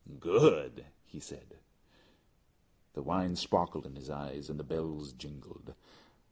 "Good!" he said. The wine sparkled in his eyes and the bells jingled.